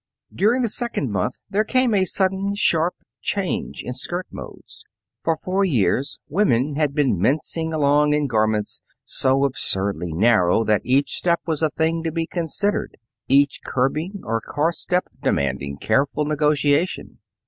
During the second month, there came a sudden, sharp change in skirt modes. For four years women had been mincing along in garments so absurdly narrow that each step was a thing to be considered, each curbing or car step demanding careful negotiation.